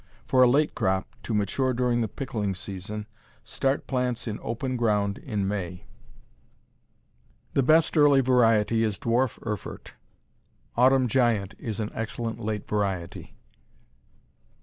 For a late crop, to mature during the pickling season, start plants in open ground in May. The best early variety is Dwarf Erfurt. Autumn Giant is an excellent late variety.